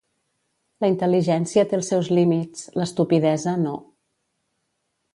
La intel·ligència té els seus límits; l'estupidesa, no.